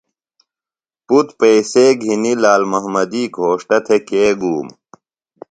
پُتر پیئسے گِھینیۡ لال محمدی گھوݜٹہ تھےۡ کے گُوم؟